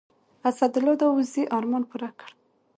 اسدالله داودزي ارمان پوره کړ.